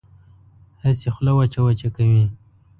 هسې خوله وچه وچه کوي.